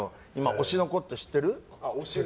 「推しの子」って知ってる？